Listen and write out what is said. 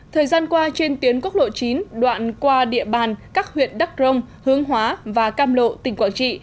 thời gian qua trên tuyến quốc lộ chín đoạn qua địa bàn các huyện đắc rông hướng hóa và cam lộ tỉnh quảng trị